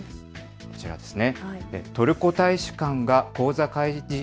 こちらですね。